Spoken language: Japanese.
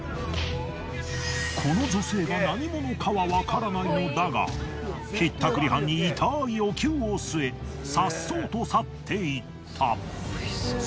この女性が何者かはわからないのだがひったくり犯に痛いお灸を据えさっそうと去っていった。